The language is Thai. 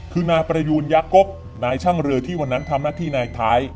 คือนายประยูนยากกนายช่างเรือที่วันนั้นทำหน้าที่นายท้าย